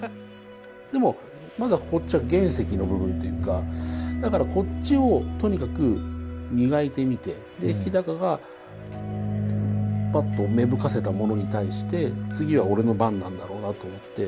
でもまだこっちは原石の部分っていうかだからこっちをとにかく磨いてみてで日がパッと芽吹かせたものに対して次は俺の番なんだろうなと思って。